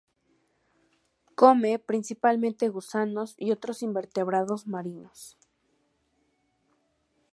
Come principalmente gusanos y otros invertebrados marinos.